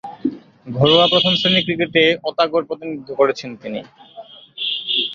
ঘরোয়া প্রথম-শ্রেণীর ক্রিকেটে ওতাগোর প্রতিনিধিত্ব করেছেন তিনি।